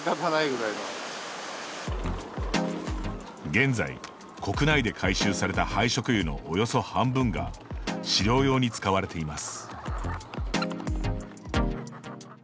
現在、国内で回収された廃食油のおよそ半分が飼料用に使われています。